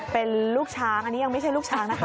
เป็นลูกช้างอันนี้ยังไม่ใช่ลูกช้างนะคะ